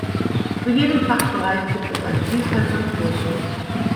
Zu jedem Fachbereich gibt es eine Vielzahl von Kursen.